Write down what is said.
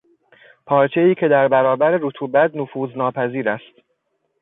پارچهای که در برابر رطوبت نفوذ ناپذیر است